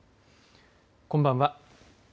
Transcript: こんばんは。